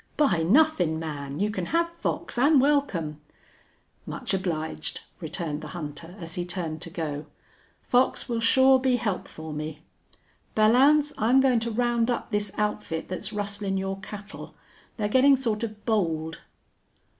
"Buy nothin', man. You can have Fox, an' welcome." "Much obliged," returned the hunter, as he turned to go. "Fox will sure be help for me. Belllounds, I'm goin' to round up this outfit that's rustlin' your cattle. They're gettin' sort of bold."